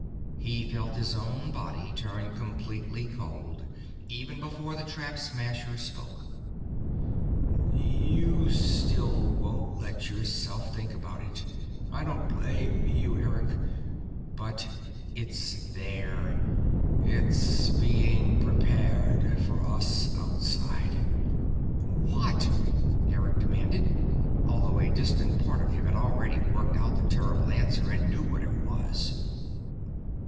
He felt his own body turn completely cold even before the Trap Smasher spoke. "You still won't let yourself think about it? I don't blame you, Eric. But it's there. It's being prepared for us outside." "What?" Eric demanded, although a distant part of him had already worked out the terrible answer and knew what it was.